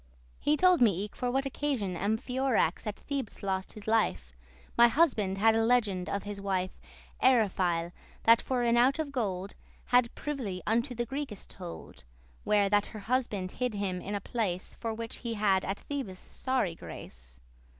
He told me eke, for what occasion Amphiorax at Thebes lost his life: My husband had a legend of his wife Eryphile, that for an ouche* of gold *clasp, collar Had privily unto the Greekes told, Where that her husband hid him in a place, For which he had at Thebes sorry grace.